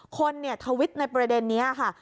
คนทวิตในประเด็นนี้ค่ะ